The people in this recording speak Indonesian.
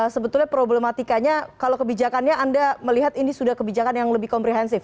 sebetulnya problematikanya kalau kebijakannya anda melihat ini sudah kebijakan yang lebih komprehensif